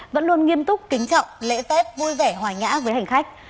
vẫn luôn nghiêm túc kính trọng lễ tết vui vẻ hòa nhã với hành khách